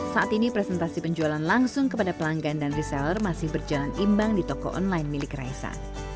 saat ini presentasi penjualan langsung kepada pelanggan dan reseller masih berjalan imbang di toko online milik raisa